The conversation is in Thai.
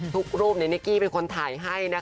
ทุกรูปได้กิ๊กไว้คนถ่ายให้